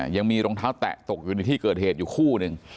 ยังมีรองเท้าแตะตกอยู่ในที่เกิดเหตุอยู่คู่หนึ่ง